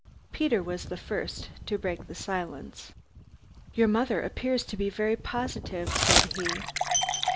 Peter was the first to break the silence. "Your mother appears to be very positive," said he.